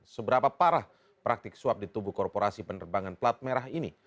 seberapa parah praktik suap di tubuh korporasi penerbangan plat merah ini